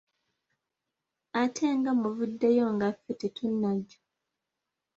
Ate nga muvuddeyo nga ffe tetunajja?